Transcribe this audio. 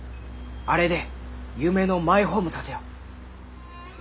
あれで夢のマイホーム建てよう。